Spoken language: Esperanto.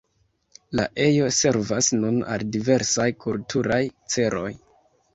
La ejo servas nun al diversaj kulturaj celoj.